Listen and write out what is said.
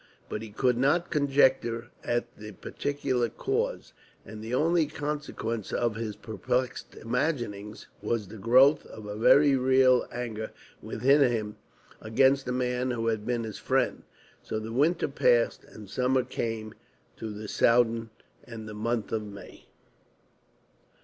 But he could not conjecture at the particular cause, and the only consequence of his perplexed imaginings was the growth of a very real anger within him against the man who had been his friend. So the winter passed, and summer came to the Soudan and the month of May.